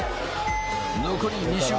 残り２周。